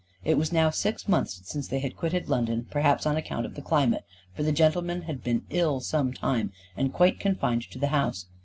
It was now six months since they had quitted London, perhaps on account of the climate, for the gentleman had been ill some time, and quite confined to the house.